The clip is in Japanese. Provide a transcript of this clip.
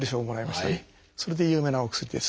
それで有名なお薬です。